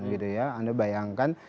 gitu ya anda bayangkan